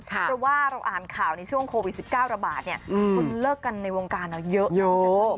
เพราะว่าเราอ่านข่าวในช่วงโควิด๑๙ระบาดเนี่ยคุณเลิกกันในวงการเราเยอะ